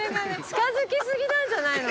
近づき過ぎなんじゃないの？